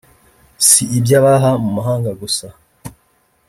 si iby’ababa mu mahanga gusa